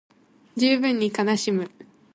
十分に悲しむ